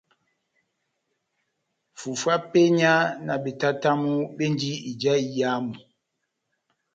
Fufu ya penya na betatamu bendi ija iyamu.